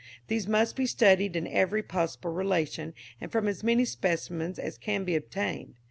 These must be studied in every possible relation, and from as many specimens as can be obtained.